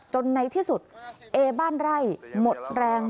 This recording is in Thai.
ในที่สุดเอบ้านไร่หมดแรง